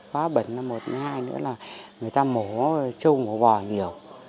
khóa bẩn là một hai nữa là người ta mổ châu mổ bò nhiều